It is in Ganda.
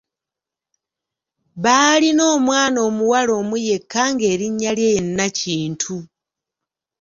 Baalina omwana omuwala omu yekka ng'erinnya lye ye Nakintu.